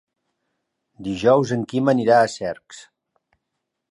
Dijous en Quim anirà a Cercs.